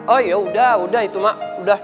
oh yaudah udah itu mak udah